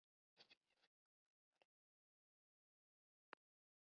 Fiif jier lang ha ik mysels yn libben holden mei in baantsje as nachtportier.